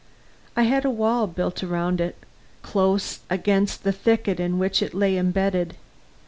I had a wall built round it, close against the thicket in which it lay embedded.